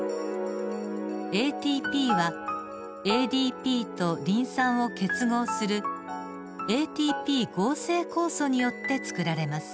ＡＴＰはＡＤＰとリン酸を結合するＡＴＰ合成酵素によってつくられます。